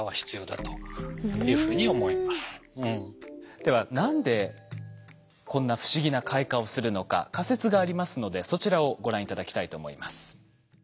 では何でこんな不思議な開花をするのか仮説がありますのでそちらをご覧頂きたいと思います。